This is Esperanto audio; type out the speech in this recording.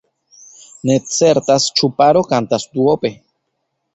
Ne certas ĉu paro kantas duope.